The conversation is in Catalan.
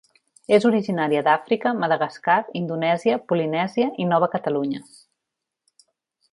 És originària d'Àfrica, Madagascar, Indonèsia, Polinèsia i Nova Catalunya